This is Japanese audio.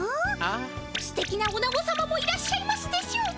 すてきなオナゴ様もいらっしゃいますでしょうか？